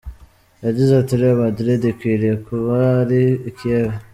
Yagize ati “Real Madrid ikwiriye kuba iri I Kiev.